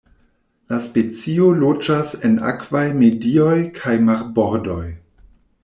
La specio loĝas en akvaj medioj kaj marbordoj.